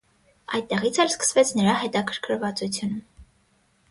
Այդտեղից էլ սկսվեց նրա հետաքրքրվածությունը։